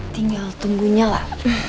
tinggal tunggunya lah